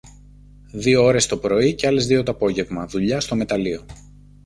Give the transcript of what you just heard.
Δυο ώρες το πρωί και άλλες δυο το απόγεμα δουλειά στο μεταλλείο.